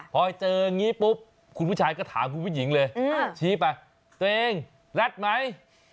พอเจออย่างนี้ปุ๊บคุณผู้ชายก็ถามคุณผู้หญิงเลยชี้ไปตัวเองรัดไหม